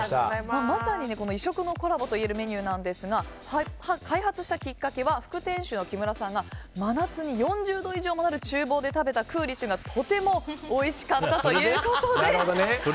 まさに異色のコラボといえるメニューなんですが開発したきっかけは副店主の木村さんが真夏に４０度以上もある厨房で食べたクーリッシュがとてもおいしかったということで。